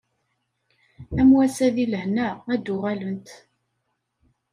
Am wass-a di lehna ad d-uɣalent.